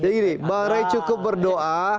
jadi gini mbak re cukup berdoa